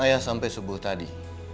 ayah sampai sebelum tadi